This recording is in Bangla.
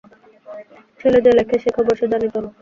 ছেলে যে লেখে, সে খবর সে জানিত না।